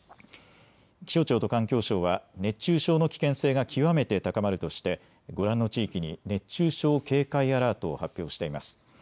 気象庁と環境省は熱中症の危険性が極めて高まるとしてご覧の地域に熱中症警戒アラートを発表しています。